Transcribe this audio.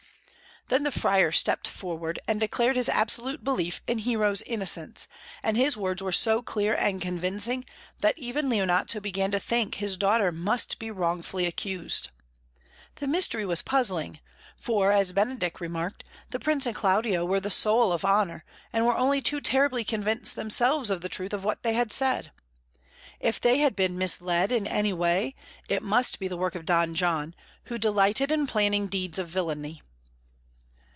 Then the Friar stepped forward, and declared his absolute belief in Hero's innocence, and his words were so clear and convincing that even Leonato began to think his daughter must be wrongfully accused. The mystery was puzzling, for, as Benedick remarked, the Prince and Claudio were the soul of honour, and were only too terribly convinced themselves of the truth of what they had said. If they had been misled in any way, it must be the work of Don John, who delighted in planning deeds of villainy.